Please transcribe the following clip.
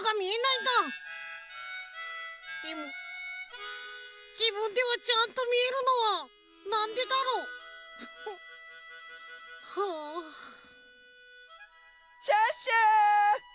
でもじぶんではちゃんとみえるのはなんでだろう？はあ。シュッシュ！